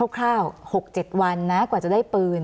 คร่าว๖๗วันนะกว่าจะได้ปืน